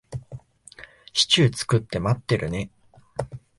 シチュー作って待ってるね。